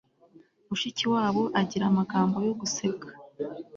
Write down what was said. mushikiwabo agira amagambo yo guseka